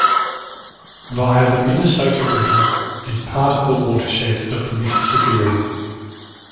Via the Minnesota River, it is part of the watershed of the Mississippi River.